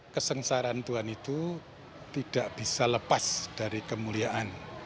kesengsaraan tuhan itu tidak bisa lepas dari kemuliaan